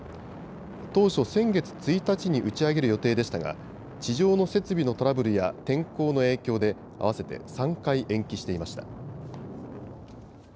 当初、先月１日に打ち上げる予定でしたが地上の設備のトラブルや天候の影響で合わせて３回延期していました。